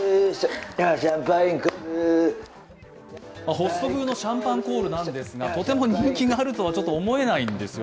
ホスト風のシャンパンコールなんですが、とても人気があるとは思えないんですよ。